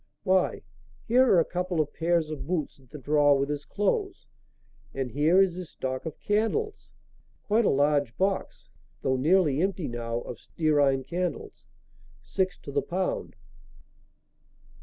Why, here are a couple of pairs of boots in the drawer with his clothes! And here is his stock of candles. Quite a large box though nearly empty now of stearine candles, six to the pound."